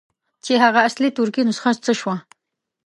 چې هغه اصلي ترکي نسخه څه شوه.